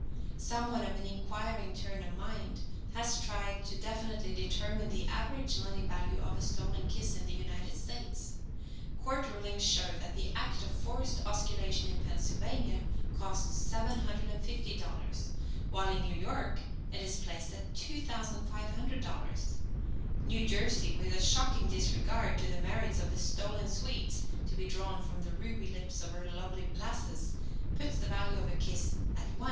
Some one of an inquiring turn of mind has tried to definitely determine the average money value of a stolen kiss in the United States. Court rulings show that the act of forced osculation in Pennsylvania costs $750, while in New York it is placed at $2,500. New Jersey, with a shocking disregard to the merits of the stolen sweets to be drawn from the ruby lips of her lovely lasses, puts the value of a kiss at $1.15.